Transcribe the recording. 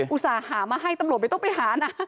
อุตส่าห์หามาให้ตำรวจไม่ต้องไปหานะ